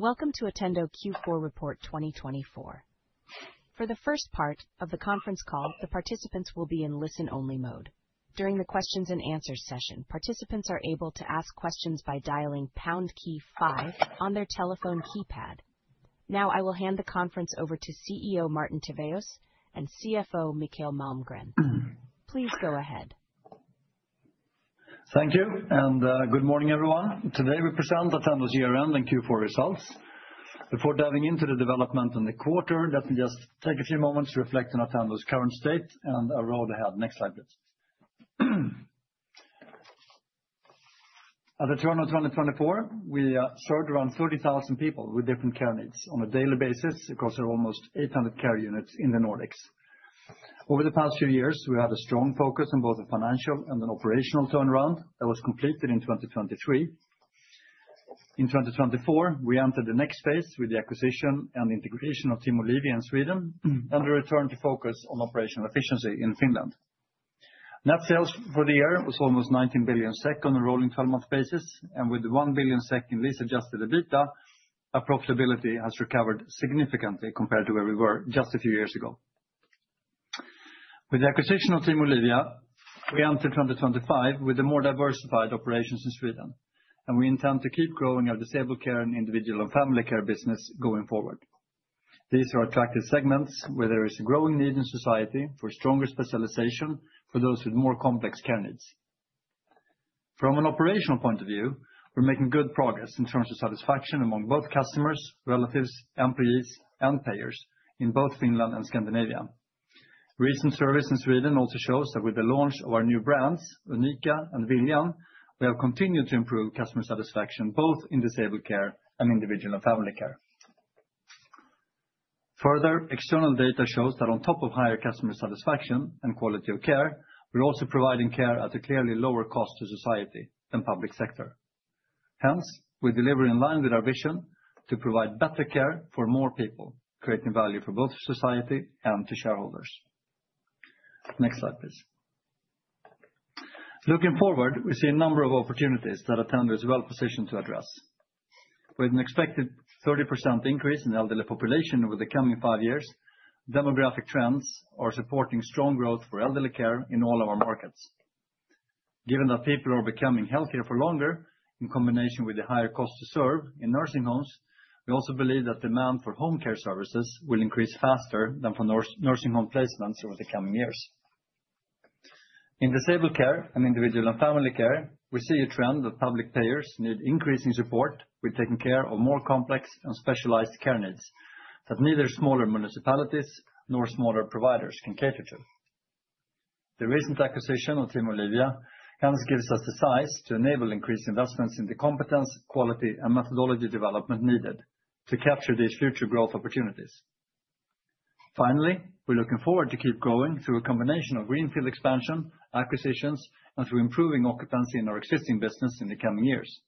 Welcome to Attendo Q4 Report 2024. For the first part of the conference call, the participants will be in listen-only mode. During the Q&A session, participants are able to ask questions by dialing # five on their telephone keypad. Now, I will hand the conference over to CEO Martin Tivéus and CFO Mikael Malmgren. Please go ahead. Thank you, and good morning, everyone. Today we present Attendo's year-end and Q4 results. Before diving into the development in the quarter, let me just take a few moments to reflect on Attendo's current state and our road ahead. Next slide, please. At Attendo 2024, we served around 30,000 people with different care needs. On a daily basis, it covers almost 800 care units in the Nordics. Over the past few years, we had a strong focus on both a financial and an operational turnaround that was completed in 2023. In 2024, we entered the next phase with the acquisition and integration of Team Olivia in Sweden, and we returned to focus on operational efficiency in Finland. Net sales for the year was almost 19 billion SEK on a rolling 12-month basis, and with the 1 billion SEK in lease-adjusted EBITDA, our profitability has recovered significantly compared to where we were just a few years ago. With the acquisition of Team Olivia, we entered 2025 with a more diversified operations in Sweden, and we intend to keep growing our disabled care and individual and family care business going forward. These are attractive segments where there is a growing need in society for stronger specialization for those with more complex care needs. From an operational point of view, we're making good progress in terms of satisfaction among both customers, relatives, employees, and payers in both Finland and Scandinavia. Recent service in Sweden also shows that with the launch of our new brands, Unika and Viljan, we have continued to improve customer satisfaction both in disabled care and individual and family care. Further, external data shows that on top of higher customer satisfaction and quality of care, we're also providing care at a clearly lower cost to society than public sector. Hence, we deliver in line with our vision to provide better care for more people, creating value for both society and to shareholders. Next slide, please. Looking forward, we see a number of opportunities that Attendo is well positioned to address. With an expected 30% increase in the elderly population over the coming five years, demographic trends are supporting strong growth for elderly care in all of our markets. Given that people are becoming healthier for longer, in combination with the higher cost to serve in nursing homes, we also believe that demand for home care services will increase faster than for nursing home placements over the coming years. In disabled care and individual and family care, we see a trend that public payers need increasing support with taking care of more complex and specialized care needs that neither smaller municipalities nor smaller providers can cater to. The recent acquisition of Team Olivia hence gives us the size to enable increased investments in the competence, quality, and methodology development needed to capture these future growth opportunities. Finally, we're looking forward to keep growing through a combination of greenfield expansion, acquisitions, and through improving occupancy in our existing business in the coming years.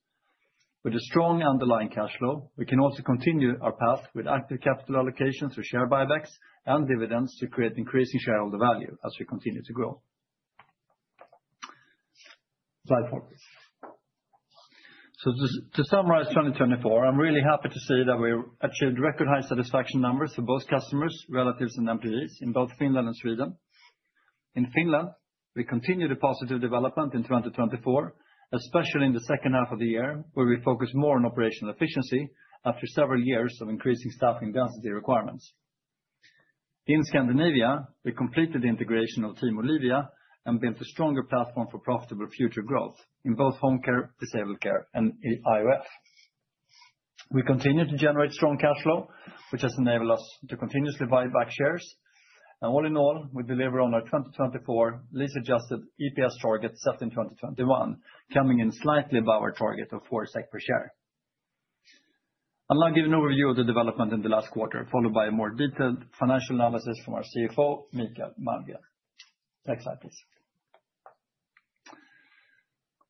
With a strong underlying cash flow, we can also continue our path with active capital allocations for share buybacks and dividends to create increasing shareholder value as we continue to grow. Slide four, please. So to summarize 2024, I'm really happy to see that we achieved record high satisfaction numbers for both customers, relatives, and employees in both Finland and Sweden. In Finland, we continue the positive development in 2024, especially in the second half of the year, where we focus more on operational efficiency after several years of increasing staffing density requirements. In Scandinavia, we completed the integration of Team Olivia and built a stronger platform for profitable future growth in both home care, disabled care, and I&F. We continue to generate strong cash flow, which has enabled us to continuously buy back shares. All in all, we deliver on our 2024 lease-adjusted EPS target set in 2021, coming in slightly above our target of 4 SEK per share. I'll now give an overview of the development in the last quarter, followed by a more detailed financial analysis from our CFO, Mikael Malmgren. Next slide, please.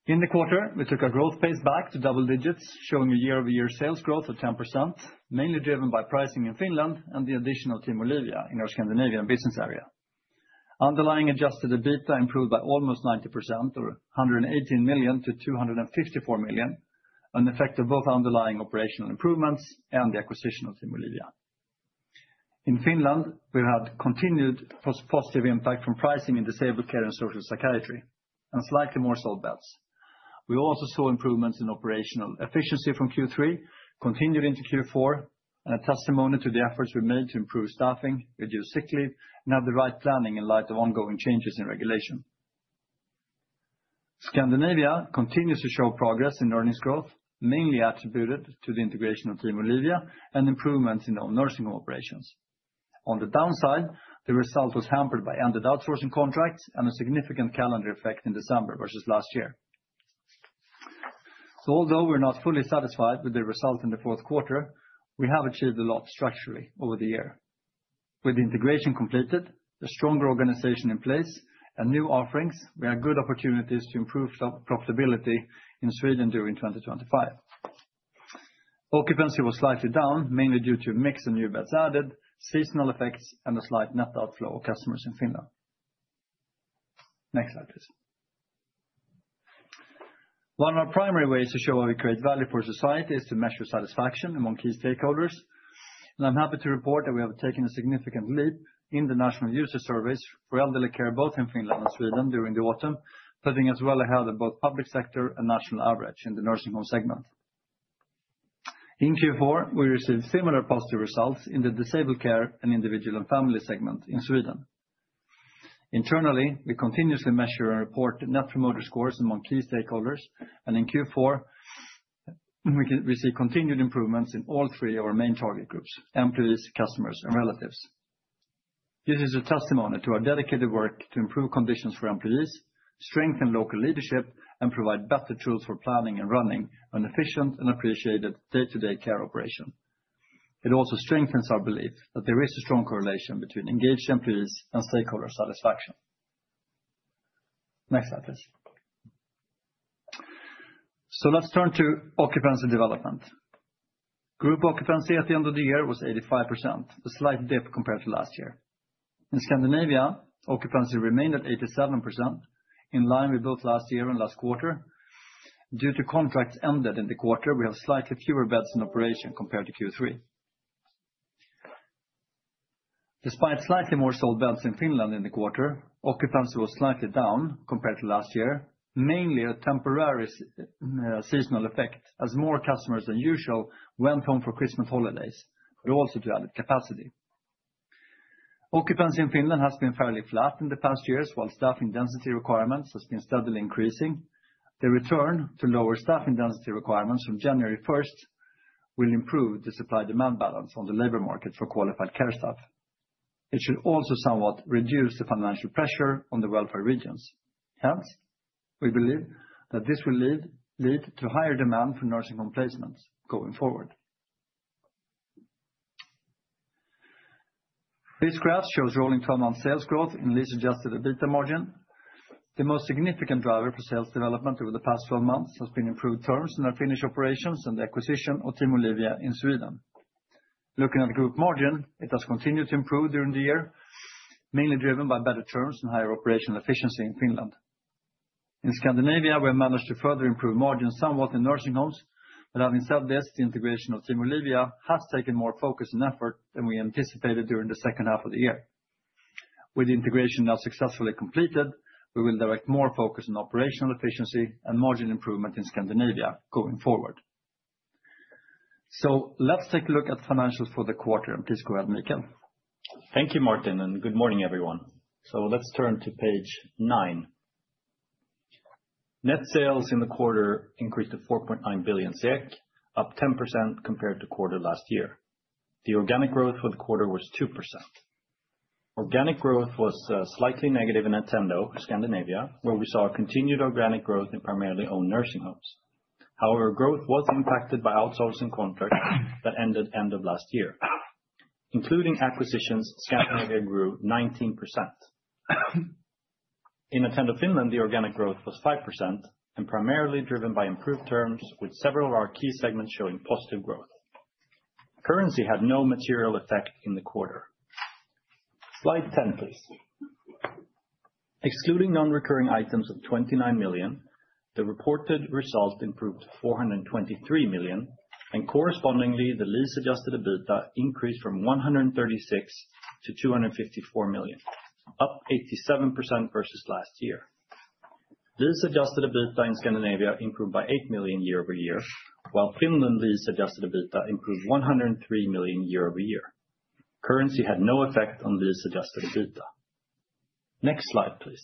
In the quarter, we took our growth pace back to double digits, showing a year-over-year sales growth of 10%, mainly driven by pricing in Finland and the addition of Team Olivia in our Scandinavian business area. Underlying adjusted EBITDA improved by almost 90%, or 118 million to 254 million, an effect of both underlying operational improvements and the acquisition of Team Olivia. In Finland, we had continued positive impact from pricing in disabled care and social psychiatry, and slightly more sold beds. We also saw improvements in operational efficiency from Q3, continued into Q4, and a testimony to the efforts we made to improve staffing, reduce sick leave, and have the right planning in light of ongoing changes in regulation. Scandinavia continues to show progress in earnings growth, mainly attributed to the integration of Team Olivia and improvements in our nursing home operations. On the downside, the result was hampered by ended outsourcing contracts and a significant calendar effect in December versus last year. So although we're not fully satisfied with the result in the fourth quarter, we have achieved a lot structurally over the year. With the integration completed, a stronger organization in place, and new offerings, we have good opportunities to improve profitability in Sweden during 2025. Occupancy was slightly down, mainly due to a mix of new beds added, seasonal effects, and a slight net outflow of customers in Finland. Next slide, please. One of our primary ways to show how we create value for society is to measure satisfaction among key stakeholders. And I'm happy to report that we have taken a significant leap in the national user surveys for elderly care both in Finland and Sweden during the autumn, putting us well ahead of both public sector and national average in the nursing home segment. In Q4, we received similar positive results in the disabled care and individual and family segment in Sweden. Internally, we continuously measure and report Net Promoter Scores among key stakeholders, and in Q4, we see continued improvements in all three of our main target groups: employees, customers, and relatives. It is a testimony to our dedicated work to improve conditions for employees, strengthen local leadership, and provide better tools for planning and running an efficient and appreciated day-to-day care operation. It also strengthens our belief that there is a strong correlation between engaged employees and stakeholder satisfaction. Next slide, please. So let's turn to occupancy development. Group occupancy at the end of the year was 85%, a slight dip compared to last year. In Scandinavia, occupancy remained at 87%, in line with both last year and last quarter. Due to contracts ended in the quarter, we have slightly fewer beds in operation compared to Q3. Despite slightly more sold beds in Finland in the quarter, occupancy was slightly down compared to last year, mainly a temporary seasonal effect as more customers than usual went home for Christmas holidays, but also to added capacity. Occupancy in Finland has been fairly flat in the past years, while staffing density requirements have been steadily increasing. The return to lower staffing density requirements from January 1st will improve the supply-demand balance on the labor market for qualified care staff. It should also somewhat reduce the financial pressure on the welfare regions. Hence, we believe that this will lead to higher demand for nursing home placements going forward. This graph shows rolling 12-month sales growth in lease-adjusted EBITDA margin. The most significant driver for sales development over the past 12 months has been improved terms in our Finnish operations and the acquisition of Team Olivia in Sweden. Looking at the group margin, it has continued to improve during the year, mainly driven by better terms and higher operational efficiency in Finland. In Scandinavia, we have managed to further improve margins somewhat in nursing homes, but having said this, the integration of Team Olivia has taken more focus and effort than we anticipated during the second half of the year. With the integration now successfully completed, we will direct more focus on operational efficiency and margin improvement in Scandinavia going forward. Let's take a look at financials for the quarter, and please go ahead, Mikael. Thank you, Martin, and good morning, everyone. So let's turn to page nine. Net sales in the quarter increased to 4.9 billion SEK, up 10% compared to quarter last year. The organic growth for the quarter was 2%. Organic growth was slightly negative in Attendo Scandinavia, where we saw continued organic growth in primarily owned nursing homes. However, growth was impacted by outsourcing contract that ended end of last year. Including acquisitions, Scandinavia grew 19%. In Attendo Finland, the organic growth was 5% and primarily driven by improved terms, with several of our key segments showing positive growth. Currency had no material effect in the quarter. Slide 10, please. Excluding non-recurring items of 29 million, the reported result improved to 423 million, and correspondingly, the lease-adjusted EBITDA increased from 136 to 254 million, up 87% versus last year. Lease-adjusted EBITDA in Scandinavia improved by 8 million year-over-year, while Finland lease-adjusted EBITDA improved 103 million year-over-year. Currency had no effect on lease-adjusted EBITDA. Next slide, please.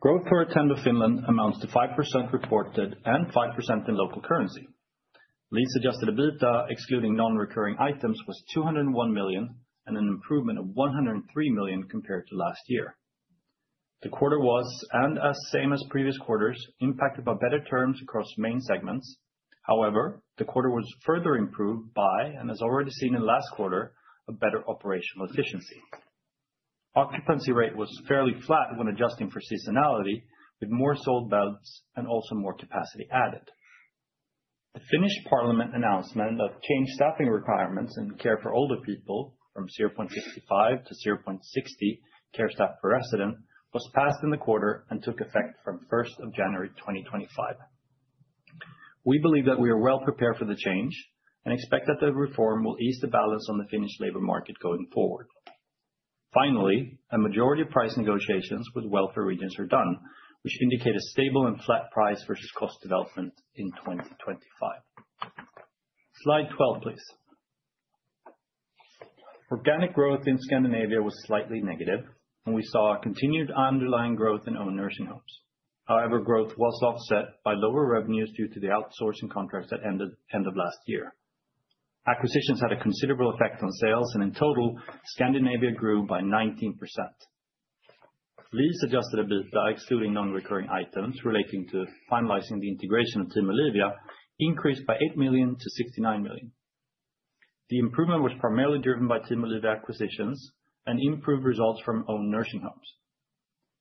Growth for Attendo Finland, amounts to 5% reported and 5% in local currency. Lease-adjusted EBITDA, excluding non-recurring items, was 201 million and an improvement of 103 million compared to last year. The quarter was, and as same as previous quarters, impacted by better terms across main segments. However, the quarter was further improved by, and as already seen in the last quarter, a better operational efficiency. Occupancy rate was fairly flat when adjusting for seasonality, with more sold beds and also more capacity added. The Finnish Parliament announcement of changed staffing requirements in care for older people from 0.55 to 0.60 care staff per resident was passed in the quarter and took effect from 1st January 2025. We believe that we are well prepared for the change and expect that the reform will ease the balance on the Finnish labor market going forward. Finally, a majority of price negotiations with welfare regions are done, which indicate a stable and flat price versus cost development in 2025. Slide 12, please. Organic growth in Scandinavia was slightly negative, and we saw continued underlying growth in owned nursing homes. However, growth was offset by lower revenues due to the outsourcing contracts that ended end of last year. Acquisitions had a considerable effect on sales, and in total, Scandinavia grew by 19%. Lease-adjusted EBITDA, excluding non-recurring items relating to finalizing the integration of Team Olivia, increased by 8 million to 69 million. The improvement was primarily driven by Team Olivia acquisitions and improved results from owned nursing homes.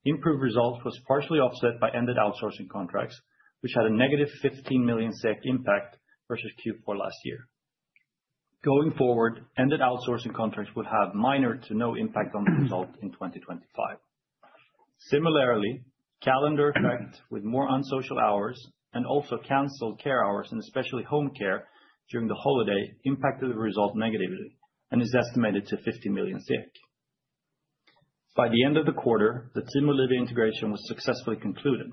Improved results was partially offset by ended outsourcing contracts, which had a negative 15 million SEK impact versus Q4 last year. Going forward, ended outsourcing contracts would have minor to no impact on results in 2025. Similarly, calendar effect with more unsocial hours and also canceled care hours, and especially home care during the holiday, impacted the result negatively and is estimated to 50 million. By the end of the quarter, the Team Olivia integration was successfully concluded.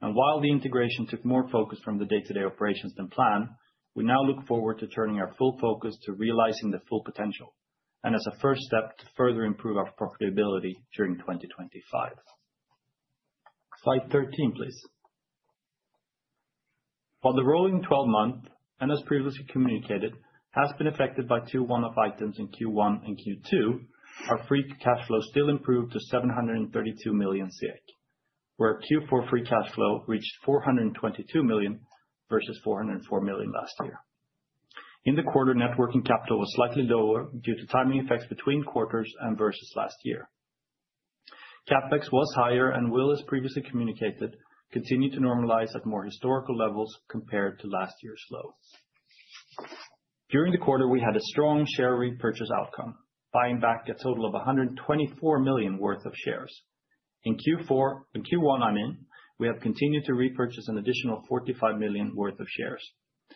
While the integration took more focus from the day-to-day operations than planned, we now look forward to turning our full focus to realizing the full potential and as a first step to further improve our profitability during 2025. Slide 13, please. While the rolling 12-month, and as previously communicated, has been affected by one-off items in Q1 and Q2, our Free Cash Flow still improved to 732 million, where Q4 free cash flow reached 422 million versus 404 million last year. In the quarter, net working capital was slightly lower due to timing effects between quarters and versus last year. CapEx was higher and will, as previously communicated, continue to normalize at more historical levels compared to last year's lows. During the quarter, we had a strong share repurchase outcome, buying back a total of 124 million worth of shares. In Q4 and Q1, I mean, we have continued to repurchase an additional 45 million worth of shares.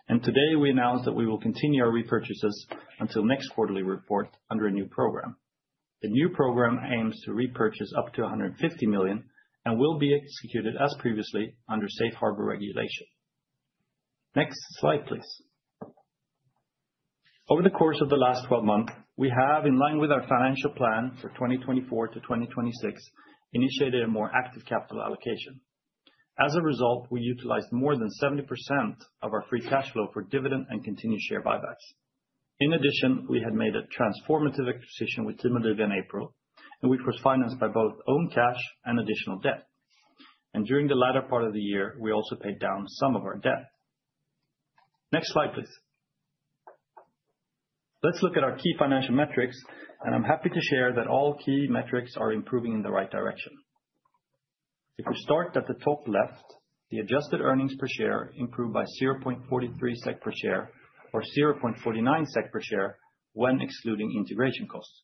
And today, we announced that we will continue our repurchases until next quarterly report under a new program. The new program aims to repurchase up to 150 million and will be executed as previously under Safe Harbor regulation. Next slide, please. Over the course of the last 12 months, we have, in line with our financial plan for 2024 to 2026, initiated a more active capital allocation. As a result, we utilized more than 70% of our Free Cash Flow for dividend and continued share buybacks. In addition, we had made a transformative acquisition with Team Olivia in April, and we were financed by both own cash and additional debt, and during the latter part of the year, we also paid down some of our debt. Next slide, please. Let's look at our key financial metrics, and I'm happy to share that all key metrics are improving in the right direction. If we start at the top left, the Adjusted Earnings Per Share improved by 0.43 SEK per share or 0.49 SEK per share when excluding integration costs,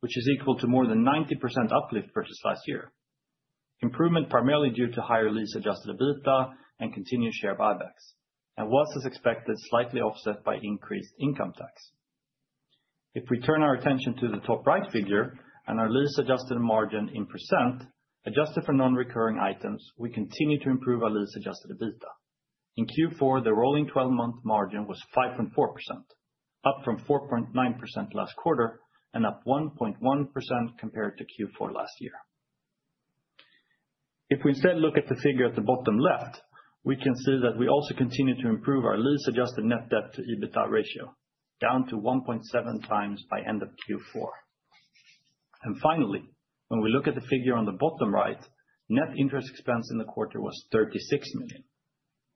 which is equal to more than 90% uplift versus last year. Improvement primarily due to higher lease-adjusted EBITDA and continued share buybacks, and was, as expected, slightly offset by increased income tax. If we turn our attention to the top right figure and our lease-adjusted margin in percent, adjusted for non-recurring items, we continue to improve our lease-adjusted EBITDA. In Q4, the rolling 12-month margin was 5.4%, up from 4.9% last quarter and up 1.1% compared to Q4 last year. If we instead look at the figure at the bottom left, we can see that we also continue to improve our lease-adjusted net debt to EBITDA ratio, down to 1.7 times by end of Q4. And finally, when we look at the figure on the bottom right, net interest expense in the quarter was 36 million SEK.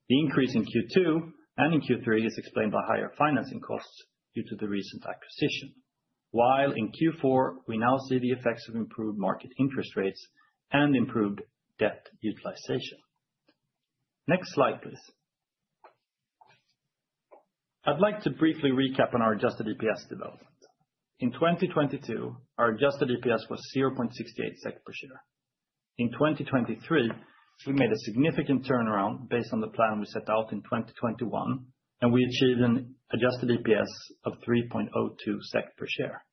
The increase in Q2 and in Q3 is explained by higher financing costs due to the recent acquisition, while in Q4, we now see the effects of improved market interest rates and improved debt utilization. Next slide, please. I'd like to briefly recap on our adjusted EPS development. In 2022, our adjusted EPS was 0.68 per share. In 2023, we made a significant turnaround based on the plan we set out in 2021, and we achieved an adjusted EPS of 3.02 SEK per share.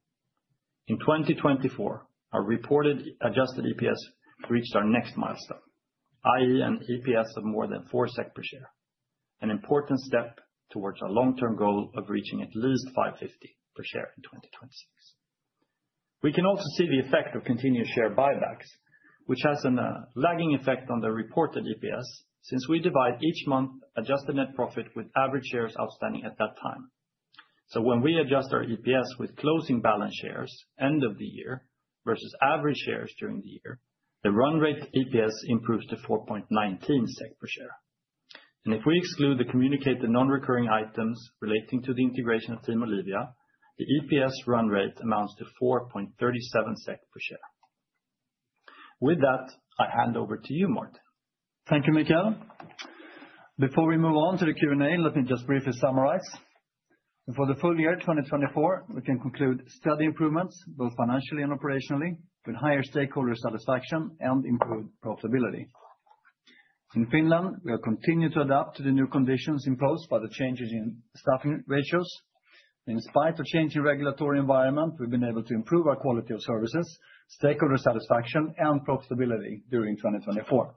In 2024, our reported adjusted EPS reached our next milestone, i.e., an EPS of more than 4 SEK per share, an important step towards our long-term goal of reaching at least 5.50 per share in 2026. We can also see the effect of continued share buybacks, which has a lagging effect on the reported EPS since we divide each month adjusted net profit with average shares outstanding at that time. So when we adjust our EPS with closing balance shares end of the year versus average shares during the year, the run rate EPS improves to 4.19 SEK per share. And if we exclude the communicated non-recurring items relating to the integration of Team Olivia, the EPS run rate amounts to 4.37 SEK per share. With that, I hand over to you, Martin. Thank you, Mikael. Before we move on to the Q&A, let me just briefly summarize. For the full year 2024, we can conclude steady improvements, both financially and operationally, with higher stakeholder satisfaction and improved profitability. In Finland, we have continued to adapt to the new conditions imposed by the changes in staffing ratios. In spite of changing regulatory environment, we've been able to improve our quality of services, stakeholder satisfaction, and profitability during 2024.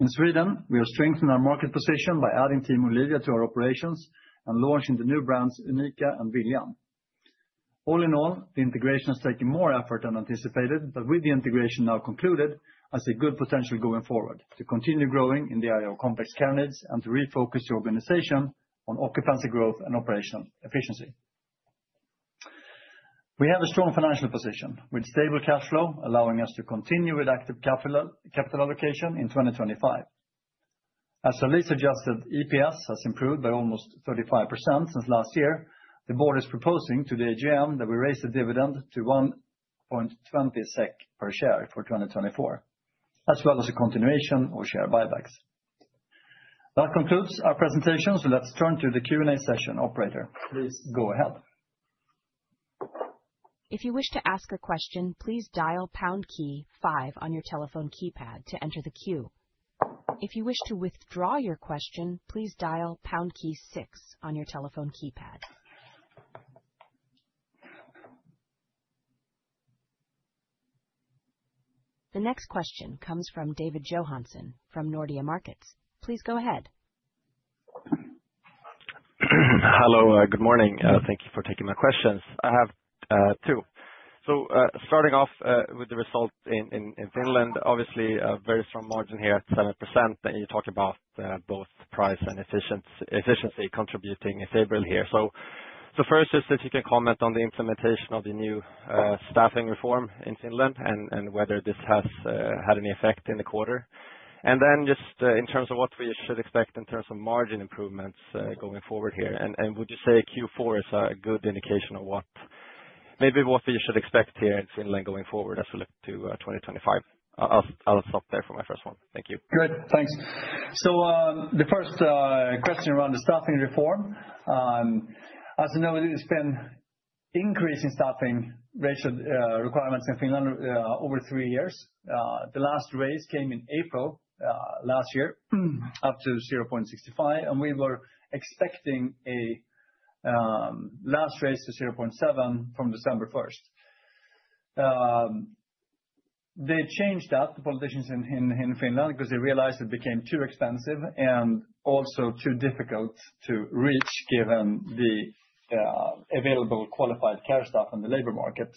In Sweden, we have strengthened our market position by adding Team Olivia to our operations and launching the new brands Unika and Viljan. All in all, the integration is taking more effort than anticipated, but with the integration now concluded, I see good potential going forward to continue growing in the area of complex care needs and to refocus the organization on occupancy growth and operational efficiency. We have a strong financial position with stable cash flow, allowing us to continue with active capital allocation in 2025. As the lease-adjusted EPS has improved by almost 35% since last year, the board is proposing to the AGM that we raise the dividend to 1.20K SEK per share for 2024, as well as a continuation of share buybacks. That concludes our presentation, so let's turn to the Q&A session, Operator. Please go ahead. If you wish to ask a question, please dial pound key five on your telephone keypad to enter the queue. If you wish to withdraw your question, please dial pound key six on your telephone keypad. The next question comes from David Johansson from Nordea Markets. Please go ahead. Hello, good morning. Thank you for taking my questions. I have two. So starting off with the result in Finland, obviously a very strong margin here at 7%, and you talk about both price and efficiency contributing in favor here. So first, just if you can comment on the implementation of the new staffing reform in Finland and whether this has had any effect in the quarter. And then just in terms of what we should expect in terms of margin improvements going forward here. And would you say Q4 is a good indication of what maybe we should expect here in Finland going forward as we look to 2025? I'll stop there for my first one. Thank you. Great, thanks. So the first question around the staffing reform. As you know, we've been increasing staffing rate requirements in Finland over three years. The last raise came in April last year up to 0.65, and we were expecting a last raise to 0.7 from December 1st. They changed that, the politicians in Finland, because they realized it became too expensive and also too difficult to reach given the available qualified care staff on the labor market.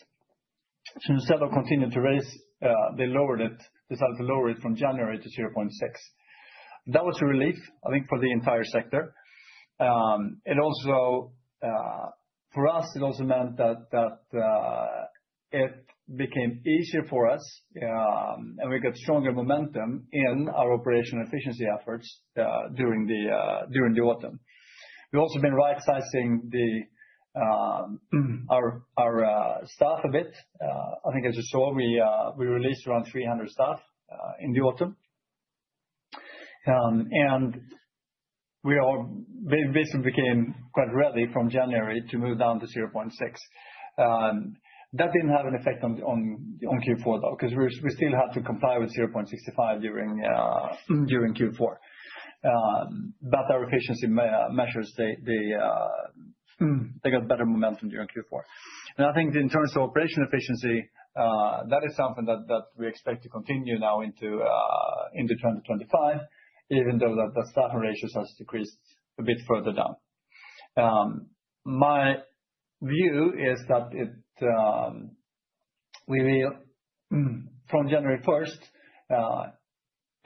So instead of continuing to raise, they decided to lower it from January to 0.6. That was a relief, I think, for the entire sector. And also for us, it also meant that it became easier for us, and we got stronger momentum in our operational efficiency efforts during the autumn. We've also been right-sizing our staff a bit. I think, as you saw, we released around 300 staff in the autumn. And we basically became quite ready from January to move down to 0.6. That didn't have an effect on Q4, though, because we still had to comply with 0.65 during Q4. But our efficiency measures, they got better momentum during Q4. And I think in terms of operational efficiency, that is something that we expect to continue now into 2025, even though the staffing ratios have decreased a bit further down. My view is that from January 1st,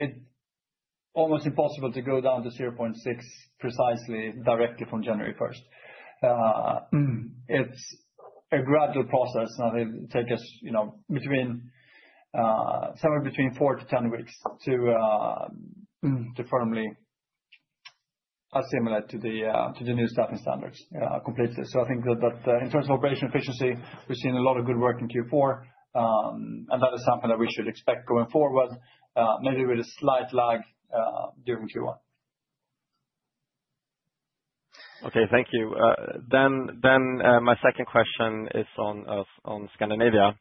it's almost impossible to go down to 0.6 precisely directly from January 1st. It's a gradual process, and it will take us somewhere between 4 to 10 weeks to firmly assimilate to the new staffing standards completely. So I think that in terms of operational efficiency, we've seen a lot of good work in Q4, and that is something that we should expect going forward, maybe with a slight lag during Q1. Okay, thank you. Then my second question is on Scandinavia,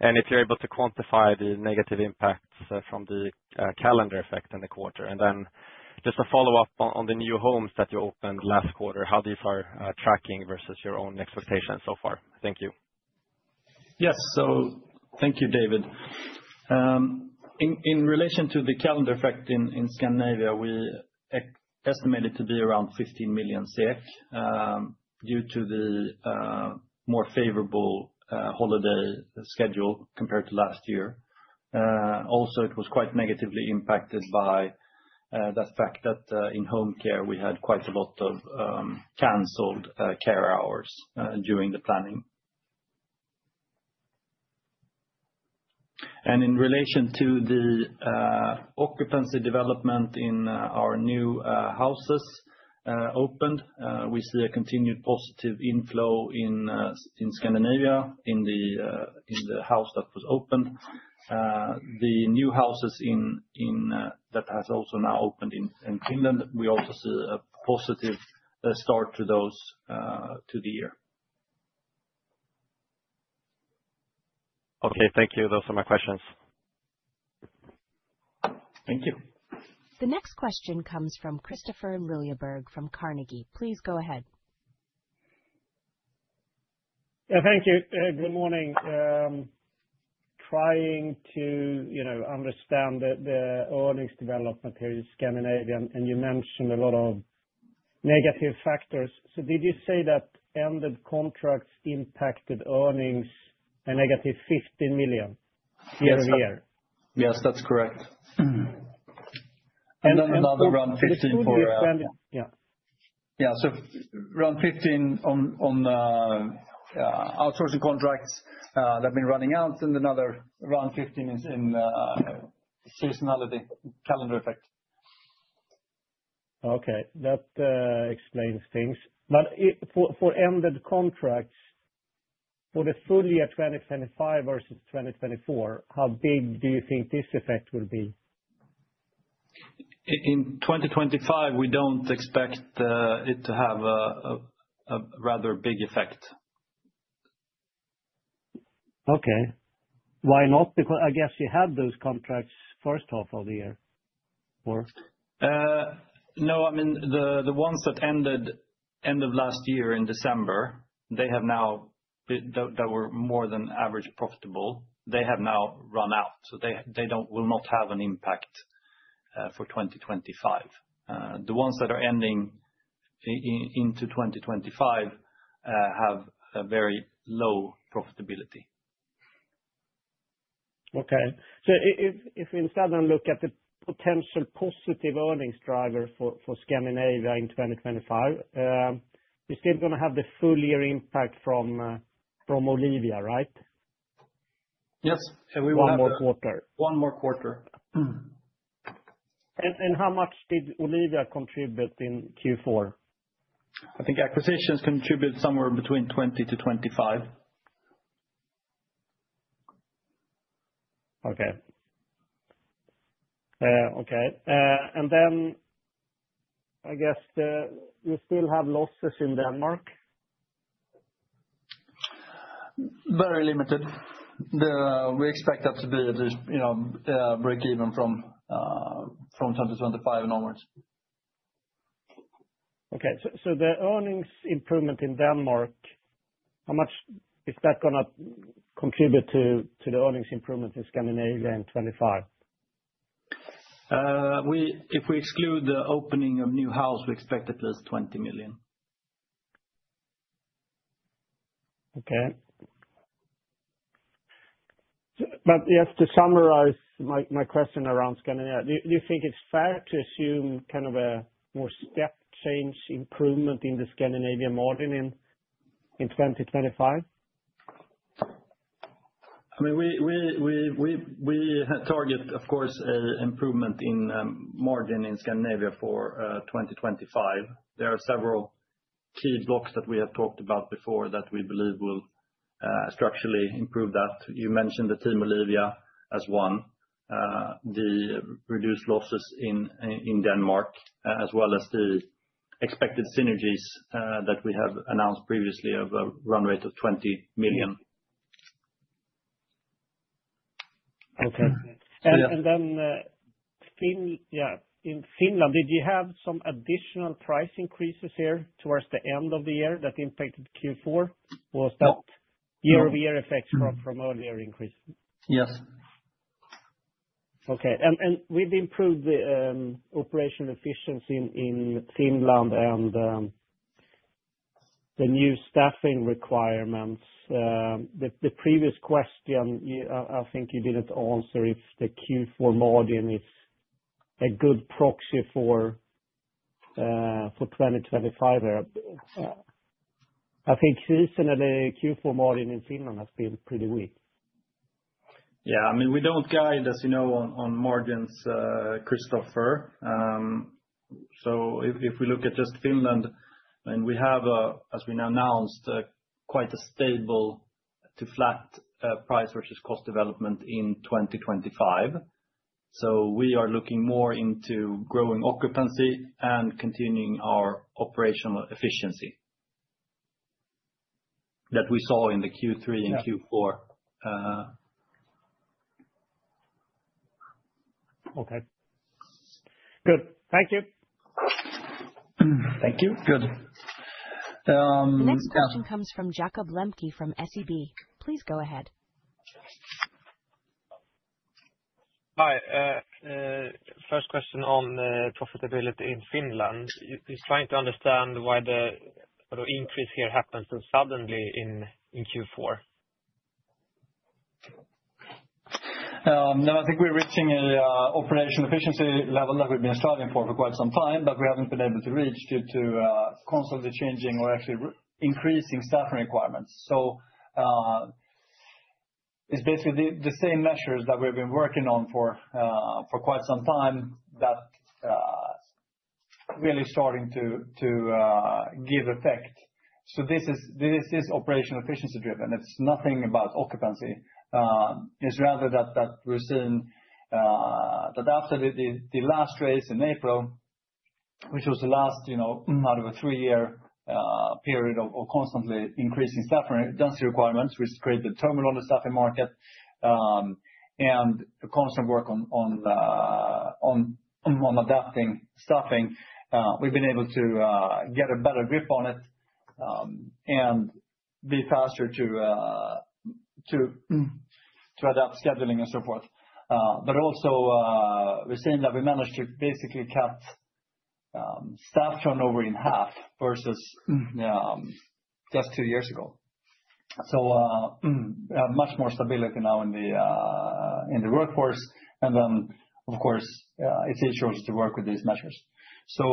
and if you're able to quantify the negative impacts from the calendar effect in the quarter? And then just a follow-up on the new homes that you opened last quarter, how these are tracking versus your own expectations so far? Thank you. Yes, so thank you, David. In relation to the calendar effect in Scandinavia, we estimated to be around 15 million SEK due to the more favorable holiday schedule compared to last year. Also, it was quite negatively impacted by the fact that in home care, we had quite a lot of canceled care hours during the planning. And in relation to the occupancy development in our new houses opened, we see a continued positive inflow in Scandinavia in the house that was opened. The new houses that have also now opened in Finland, we also see a positive start to the year. Okay, thank you for my questions. Thank you. The next question comes from Kristofer Liljeberg from Carnegie. Please go ahead. Yeah, thank you. Good morning. Trying to understand the earnings development here in Scandinavia, and you mentioned a lot of negative factors. So did you say that ended contracts impacted earnings a negative 15 million year over year? Yes, that's correct. And then another round 15 for. Yeah. Yeah, so around 15 on outsourcing contracts that have been running out, and another around 15 in seasonality, calendar effect. Okay, that explains things. But for ended contracts, for the full year 2025 versus 2024, how big do you think this effect will be? In 2025, we don't expect it to have a rather big effect. Okay. Why not? Because I guess you had those contracts first half of the year. No, I mean, the ones that ended end of last year in December, they have now, that were more than average profitable, they have now run out. So they will not have an impact for 2025. The ones that are ending into 2025 have a very low profitability. Okay, so if we instead then look at the potential positive earnings drivers for Scandinavia in 2025, we're still going to have the full year impact from Olivia, right? Yes. One more quarter. One more quarter. How much did Olivia contribute in Q4? I think acquisitions contributed somewhere between 20 to 25. Okay. Okay. And then I guess you still have losses in Denmark? Very limited. We expect that to be a break-even from 2025 onwards. Okay. So the earnings improvement in Denmark, how much is that going to contribute to the earnings improvement in Scandinavia in 2025? If we exclude the opening of new houses, we expect at least 20 million. Okay. But just to summarize my question around Scandinavia, do you think it's fair to assume kind of a more step change improvement in the Scandinavian margin in 2025? I mean, we target, of course, an improvement in margin in Scandinavia for 2025. There are several key blocks that we have talked about before that we believe will structurally improve that. You mentioned the Team Olivia as one, the reduced losses in Denmark, as well as the expected synergies that we have announced previously of a run rate of 20 million. Okay. And then in Finland, did you have some additional price increases here towards the end of the year that impacted Q4? Was that year-over-year effects from earlier increase? Yeah. Okay. And with the improved operational efficiency in Finland and the new staffing requirements, the previous question, I think you didn't answer if the Q4 margin is a good proxy for 2025. I think recently the Q4 margin in Finland has been pretty weak. Yeah, I mean, we don't guide, as you know, on margins, Kristofer. So if we look at just Finland, and we have, as we announced, quite a stable to flat price versus cost development in 2025. So we are looking more into growing occupancy and continuing our operational efficiency that we saw in the Q3 and Q4. Okay. Good. Thank you. Thank you. Good. This question comes from Jakob Lembke from SEB. Please go ahead. Hi. First question on profitability in Finland. We're trying to understand why the increase here happens so suddenly in Q4. No, I think we're reaching an operational efficiency level that we've been striving for for quite some time, but we haven't been able to reach due to constantly changing or actually increasing staffing requirements. So it's basically the same measures that we've been working on for quite some time that's really starting to give effect. So this is operational efficiency driven. It's nothing about occupancy. It's rather that we're seeing that after the last raise in April, which was the last out of a three-year period of constantly increasing staffing density requirements, which created turmoil on the staffing market and constant work on adapting staffing, we've been able to get a better grip on it and be faster to adapt scheduling and so forth. But also we're seeing that we managed to basically cut staff turnover in half versus just two years ago. So much more stability now in the workforce. And then, of course, it's easier to work with these measures. So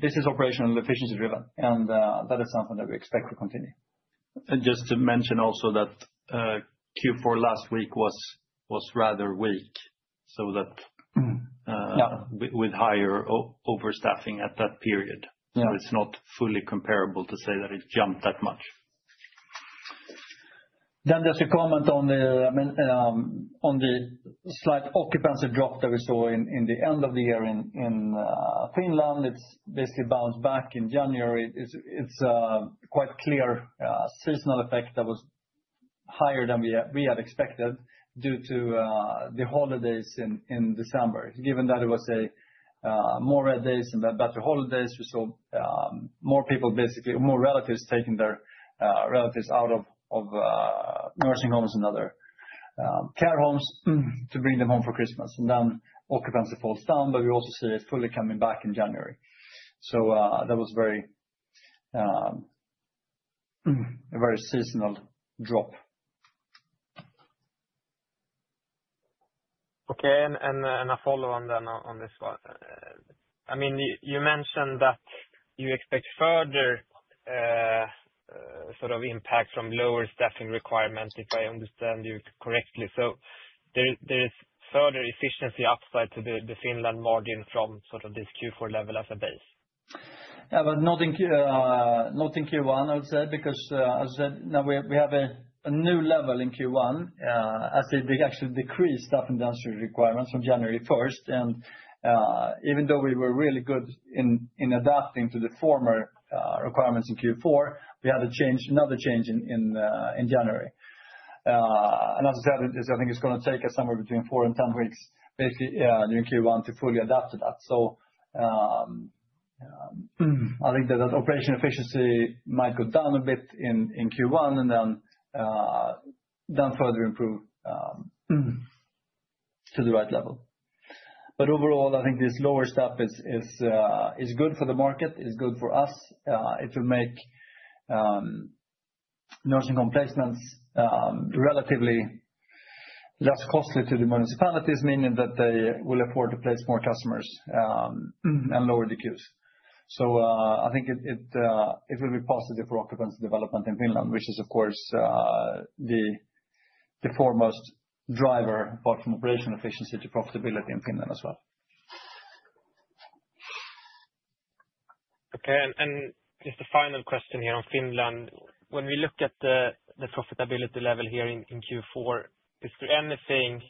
this is operational efficiency driven, and that is something that we expect to continue. And just to mention also that Q4 last week was rather weak, so that with higher overstaffing at that period. So it's not fully comparable to say that it jumped that much. Then just a comment on the slight occupancy drop that we saw in the end of the year in Finland. It's basically bounced back in January. It's quite clear seasonal effect that was higher than we had expected due to the holidays in December. Given that it was more red days and better holidays, we saw more people, basically more relatives taking their relatives out of nursing homes and other care homes to bring them home for Christmas. And then occupancy falls down, but we also see it's fully coming back in January. So that was a very seasonal drop. Okay. And a follow-on then on this one. I mean, you mentioned that you expect further sort of impact from lower staffing requirement, if I understand you correctly. So there is further efficiency upside to the Finland margin from sort of this Q4 level as a base? Yeah, but not in Q1, I would say, because as I said, now we have a new level in Q1. They actually decreased staffing density requirements on January 1st. And even though we were really good in adapting to the former requirements in Q4, we had another change in January. And as I said, I think it's going to take us somewhere between four and 10 weeks, basically during Q1, to fully adapt to that. So I think that operational efficiency might go down a bit in Q1 and then further improve to the right level. But overall, I think this lower step is good for the market, is good for us. It will make nursing home placements relatively less costly to the municipalities, meaning that they will afford to place more customers and lower the queues. So I think it will be positive for occupancy development in Finland, which is, of course, the foremost driver, apart from operational efficiency, to profitability in Finland as well. Okay. And just a final question here on Finland. When we look at the profitability level here in Q4, is there anything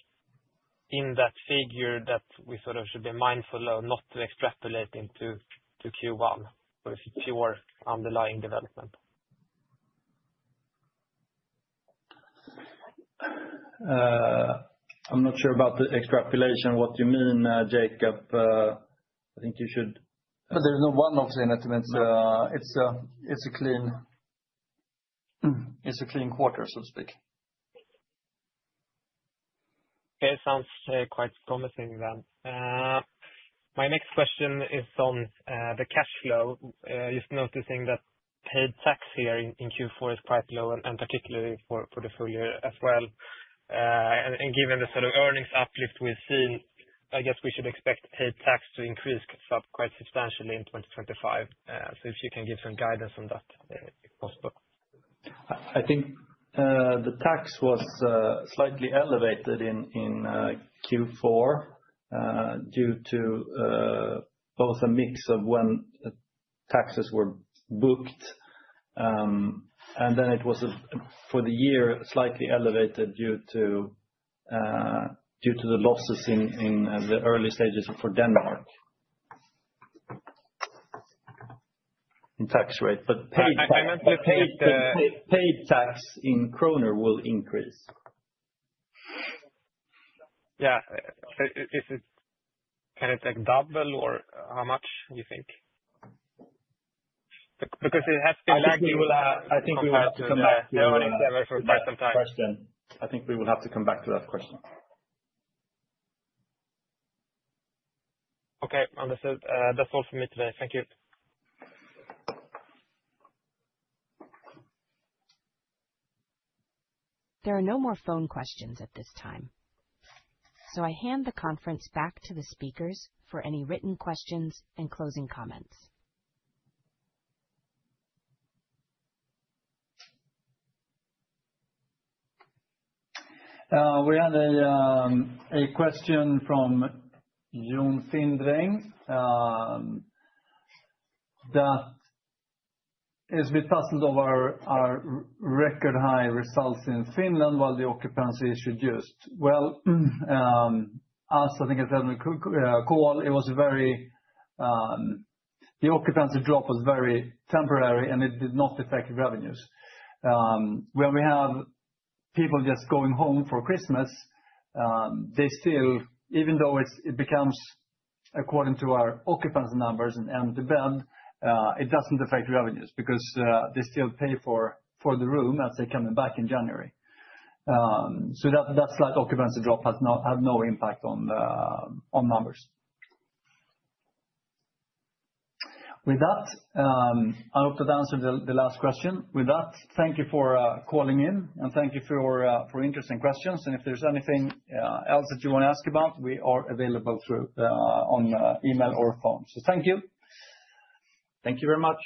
in that figure that we sort of should be mindful of not to extrapolate into Q1? Or is it pure underlying development? I'm not sure about the extrapolation, what you mean, Jakob. I think you should. So there is no one off saying that it's a clean quarter, so to speak. Okay, sounds quite promising then. My next question is on the cash flow. Just noticing that paid tax here in Q4 is quite low, and particularly for the full year as well. And given the sort of earnings uplift we've seen, I guess we should expect paid tax to increase quite substantially in 2025. So if you can give some guidance on that cost? I think the tax was slightly elevated in Q4 due to both a mix of when taxes were booked, and then it was for the year slightly elevated due to the losses in the early stages for Denmark in tax rate. I meant the paid tax. Paid tax in kroner will increase. Yeah. Is it going to double or how much do you think? Because it has been back. I think we will have to come back to that question. I think we will have to come back to that question. Okay, understood. That's all for me today. Thank you. There are no more phone questions at this time. So I hand the conference back to the speakers for any written questions and closing comments. We had a question from Jun Findring. That it's been said about our record high results in Finland while the occupancy issue, you. As I think I said earlier, the occupancy drop was very temporary, and it did not affect revenues. When we have people just going home for Christmas, they still, even though it becomes according to our occupancy numbers an empty bed, it doesn't affect revenues because they still pay for the room as they're coming back in January. So that slight occupancy drop had no impact on numbers. With that, I hope to answer the last question. With that, thank you for calling in, and thank you for interesting questions, and if there's anything else that you want to ask about, we are available through on email or phone. Thank you. Thank you very much.